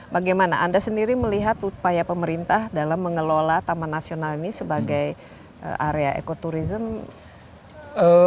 bagaimana anda sendiri melihat upaya pemerintah dalam mengelola taman nasional ini sebagai area ekoturism